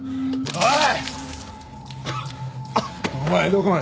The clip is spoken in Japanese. おい！